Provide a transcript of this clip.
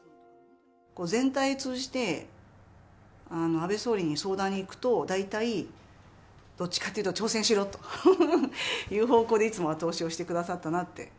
全体を通じて、安倍総理に相談に行くと、大体、どっちかっていうと、挑戦しろという方向でいつも後押しをしてくださったなって。